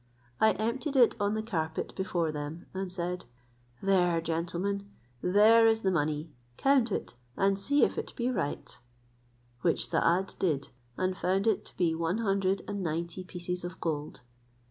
I emptied it on the carpet before them, and said, "There, gentlemen, there is the money, count it, and see if it be right;" which Saad did, and found it to be one hundred and ninety pieces of gold.